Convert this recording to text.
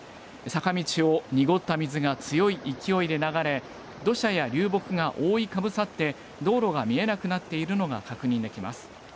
坂道を濁った水が強い勢いで流れ、土砂や流木が覆いかぶさって、道路が見えなくなっているのが確認できます。